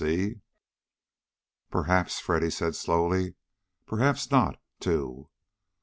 See?" "Perhaps," Freddy said slowly. "Perhaps not, too.